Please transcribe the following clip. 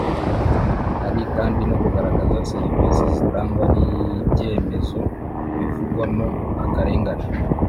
hari kandi no kugaragaza serivisi zitangwa n'ibyemezo bivugwamo akarengane.